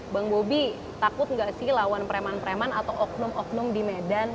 bang bobi takut nggak sih lawan preman preman atau oknum oknum di medan